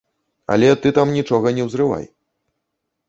Але ты там нічога не ўзрывай.